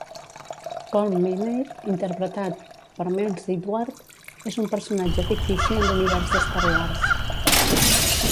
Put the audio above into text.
Colm Meaney, interpretat per Miles Edward, és un personatge fictici en l'univers d'Star Wars.